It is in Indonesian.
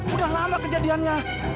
udah lama kejadiannya